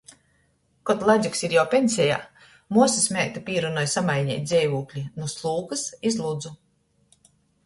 Kod Ladzuks ir jau pensejā, muosys meita pīrunoj samaineit dzeivūkli nu Slūkys iz Ludzu.